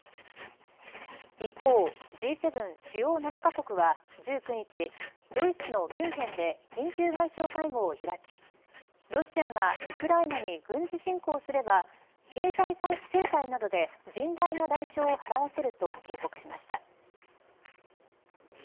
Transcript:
一方、Ｇ７主要７カ国は１９日ドイツのミュンヘンで緊急外相会合を開きロシアがウクライナに軍事侵攻すれば経済制裁などで甚大な代償を払わせると警告しました。